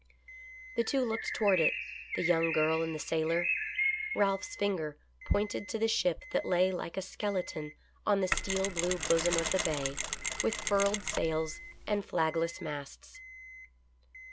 The two looked toward it, the young girl and the sailor — Ralph's finger pointed to the ship that lay like a skeleton on the steel blue bosom of the bay, with furled sails and flagless masts.